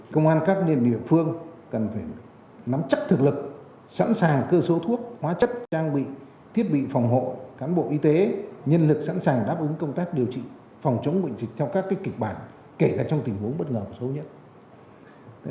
công an các nền địa phương cần phải nắm chắc thực lực sẵn sàng cơ số thuốc hóa chất trang bị thiết bị phòng hộ cán bộ y tế nhân lực sẵn sàng đáp ứng công tác điều trị phòng chống bệnh dịch theo các kịch bản kể cả trong tình huống bất ngờ và xấu nhất